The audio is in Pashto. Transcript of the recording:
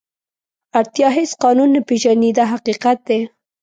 اړتیا هېڅ قانون نه پېژني دا حقیقت دی.